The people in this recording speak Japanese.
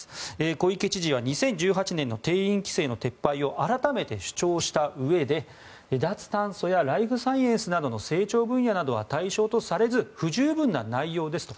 小池知事は２０１８年の定員規制の撤廃を改めて主張したうえで脱炭素やライフサイエンスなどの成長分野などは対象とされず不十分な内容ですと。